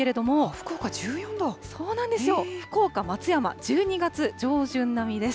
福岡、松山、１２月上旬並みです。